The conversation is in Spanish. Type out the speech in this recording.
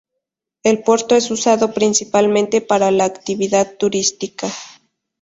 El puerto es usado principalmente para la actividad turística.